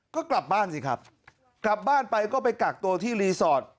ก็กลับบ้านสิครับกลับบ้านไปก็ไปกักตัวที่รีสอร์ท